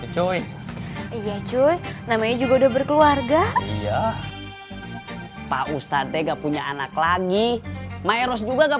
cuy iya cuy namanya juga udah berkeluarga pak ustadz enggak punya anak lagi maeros juga enggak